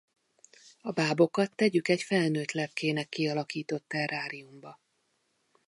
A bábokat tegyük egy felnőtt lepkének kialakított terráriumba!